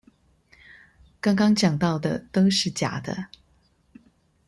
剛剛講到的都是假的